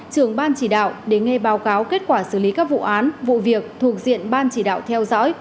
trưởng ban chỉ đạo để nghe báo cáo kết quả xử lý các vụ án vụ việc thuộc diện ban chỉ đạo theo dõi